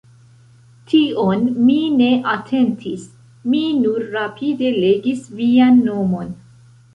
Tion mi ne atentis, mi nur rapide legis vian nomon.